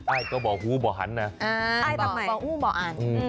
ไอ้ก็บ่อฮู้บ่อหันนะไอ้บ่อฮู้บ่ออัน